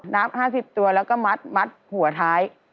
นับ๕๐ตัวแล้วก็มัดหัวท้าย